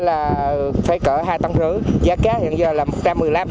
bảy mươi là phải cỡ hai tấn rưỡi giá cá hiện giờ là một trăm một mươi năm